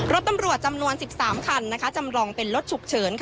รถตำรวจจำนวน๑๓คันจำลองเป็นรถฉุกเฉิน